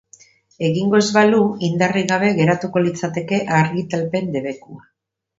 Egingo ez balu, indarrik gabe geratuko litzateke argitalpen debekua.